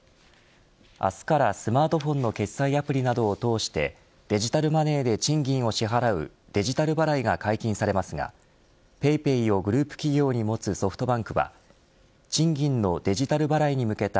明日から、スマートフォンの決済アプリなどを通してデジタルマネーで賃金を支払うデジタル払いが解禁されますがＰａｙＰａｙをグループ企業に持つソフトバンクは賃金のデジタル払いに向けた